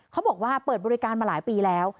เขาบอกว่าเปิดบริการมาหลายปีแล้ว